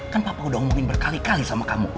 kan papa udah ngomongin berkali kali sama kamu